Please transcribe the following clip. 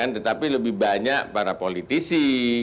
tetapi lebih banyak para politisi